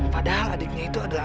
padahal adiknya itu adalah